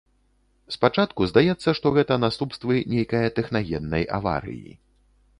Спачатку здаецца, што гэта наступствы нейкая тэхнагеннай аварыі.